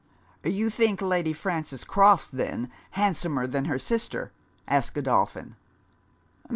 _' 'You think Lady Frances Crofts, then, handsomer than her sister?' asked Godolphin.